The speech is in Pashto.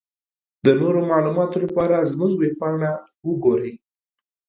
د نورو معلوماتو لپاره زمونږ ويبپاڼه وګورٸ.